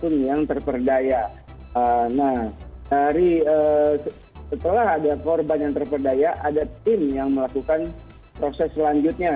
nah dari setelah ada korban yang terperdaya ada tim yang melakukan proses selanjutnya